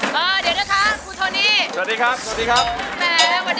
มากับโอ้ว